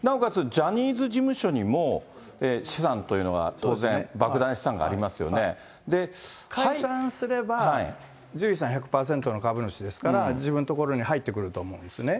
ジャニーズ事務所にも資産というのが、当然、解散すれば、ジュリーさん１００％の株主ですから、自分のところに入ってくると思うんですよね。